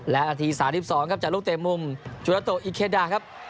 และนาที๓๒ครับจากลูกเตะมุมจุลาโตอิเคดาครับ